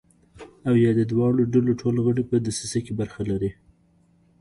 او یا د دواړو ډلو ټول غړي په دسیسه کې برخه لري.